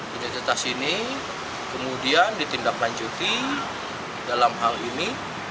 di ditas ini kemudian ditindaklanjuti dalam hal ini